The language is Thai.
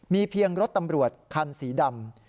มีเพียงรถตำรวจคันสีดำ